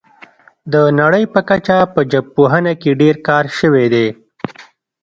د نړۍ په کچه په ژبپوهنه کې ډیر کار شوی دی